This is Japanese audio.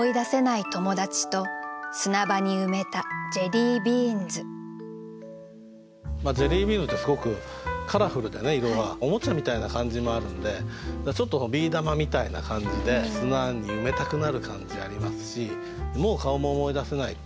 ジェリービーンズってすごくカラフルでね色がおもちゃみたいな感じもあるんでちょっとビー玉みたいな感じで砂に埋めたくなる感じありますし「もう顔も思い出せない」っていうのでね